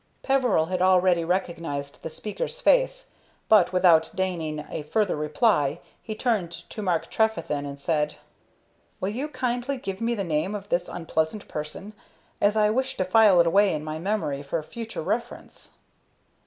Peveril had already recognized the speaker's face; but, without deigning a further reply, he turned to Mark Trefethen and said: "Will you kindly give me the name of this unpleasant person, as I wish to file it away in my memory for future reference?"